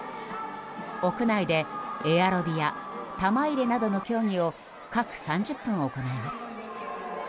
屋内でエアロビや玉入れなどの競技を各３０分行います。